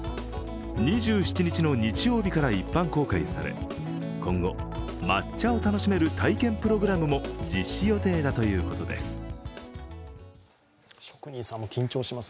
２７日の日曜日から一般公開され今後、抹茶を楽しめる体験プログラムも実施予定だということです。